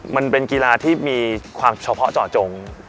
มันเป็นกีฬาที่มีความเฉพาะเจาะจง